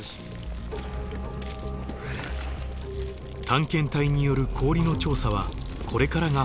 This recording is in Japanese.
探検隊による氷の調査はこれからが本番。